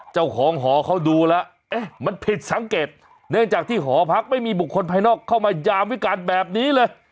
เจ้าของหอเขาดูแล้วเอ๊ะมันผิดสังเกตเนื่องจากที่หอพักไม่มีบุคคลภายนอกเข้ามายามวิการแบบนี้เลย